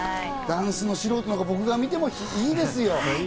ダンスの素人の僕が見ても、いいですよ。